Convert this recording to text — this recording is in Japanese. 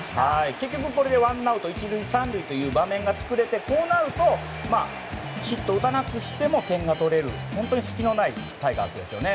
結局これでワンアウト１塁３塁という場面を作れてヒット打たなくしても点が取れる本当に隙がないタイガースですよね。